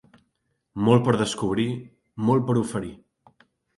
Molt per descobrir, molt per oferir.